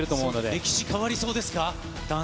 歴史変わりそうですか？